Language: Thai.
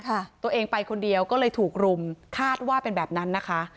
ตัวเองไปคนเดียวก็เลยถูกรุมคาดว่าเป็นแบบนั้นนะคะ